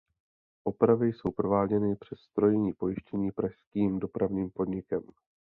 Opravy jsou prováděny přes strojní pojištění pražským dopravním podnikem.